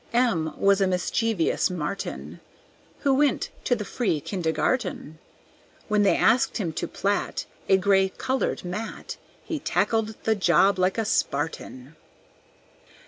M was a mischievous Marten, Who went to the Free Kindergarten; When they asked him to plat A gay colored mat, He tackled the job like a Spartan.